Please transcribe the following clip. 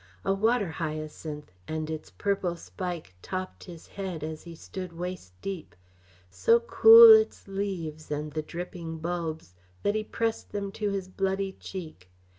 A water hyacinth, and its purple spike topped his head as he stood waist deep. So cool its leaves, and the dripping bulbs that he pressed them to his bloody cheek.